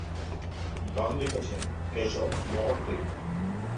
গান লিখেছেন কেশব মহন্তইল।